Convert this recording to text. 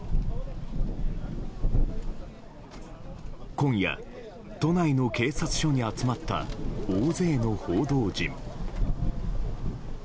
今夜、都内の警察署に集まった大勢の報道陣。